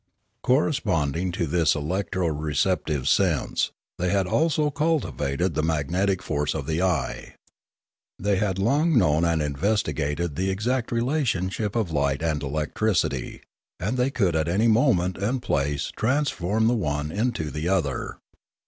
Corresponding to this electro receptive sense, they had also cultivated the magnetic force of the eye. They had long known and investigated the exact re lationship of light and electricity, and they could at any moment and place transform the one into the other.